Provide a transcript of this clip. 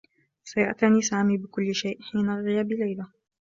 سيعتني سامي بكلّ شيء حين غياب ليلى.